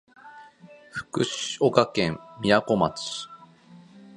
福岡県みやこ町